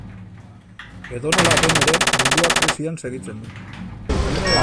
Edonola den ere, munduak krisian segitzen du.